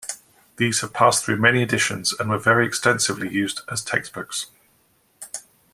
These have passed through many editions, and were very extensively used as textbooks.